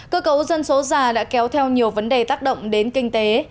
cơ cấu dân số già đã kéo theo nhiều vấn đề tác động đến kinh tế